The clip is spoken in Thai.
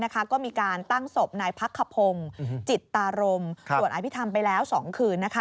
ก็มีการตั้งศพนายพักขพงศ์จิตตารมสวดอภิษฐรรมไปแล้ว๒คืน